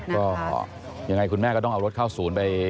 ก็ยังไงคุณแม่ก็ต้องเอารถเข้าศูนย์ไป